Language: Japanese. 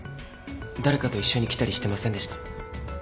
誰かと一緒に来たりしてませんでした？